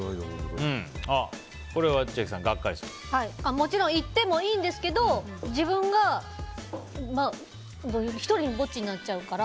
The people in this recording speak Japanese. もちろん行ってもいいんですけど自分が１人ぼっちになっちゃうから。